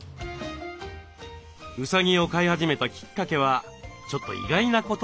うさぎを飼い始めたきっかけはちょっと意外なことでした。